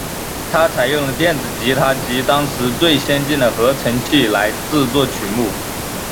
它采用了电子吉他及当时最先进的合成器来制作曲目。